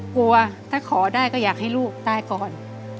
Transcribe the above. กลัวถ้าขอได้ก็อยากให้ลูกตายก่อน